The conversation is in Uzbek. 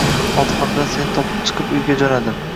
Otxonadan seni topib chiqib uyga jo‘nadim.